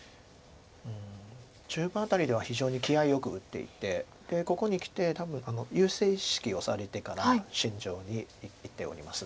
中盤辺りでは非常に気合いよく打っていてここにきて多分優勢意識をされてから慎重にいっております。